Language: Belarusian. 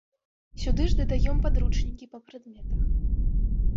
Сюды ж дадаём падручнікі па прадметах.